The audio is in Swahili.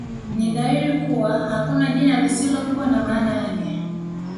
Ni dhahiri kuwa hakuna jina lisilokuwa na maana yake